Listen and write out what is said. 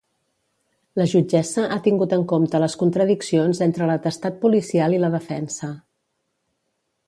La jutgessa ha tingut en compte les contradiccions entre l'atestat policial i la defensa.